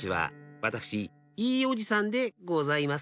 わたくしいいおじさんでございます。